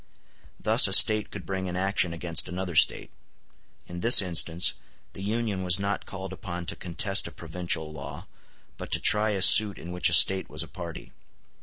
Thus a State could bring an action against another State. In this instance the Union was not called upon to contest a provincial law, but to try a suit in which a State was a party.